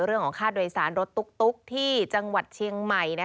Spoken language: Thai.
เรื่องของค่าโดยสารรถตุ๊กที่จังหวัดเชียงใหม่